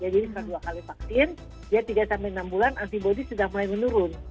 jadi setelah dua kali vaksin ya tiga enam bulan antibody sudah mulai menurun